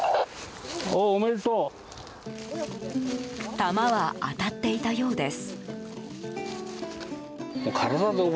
弾は当たっていたようです。